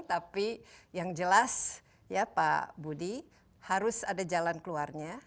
tapi yang jelas ya pak budi harus ada jalan keluarnya